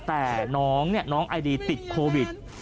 แต่น้องไอดีติดโควิด